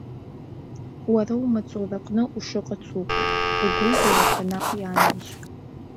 Уара умаҵура ҟны ушыҟац уҟоуп, угәыҩбарақәа наҟ иааныжь!